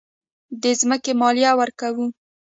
د ځمکې مالیه ورکوئ؟